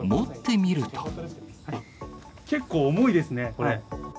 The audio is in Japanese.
結構重いですね、これ。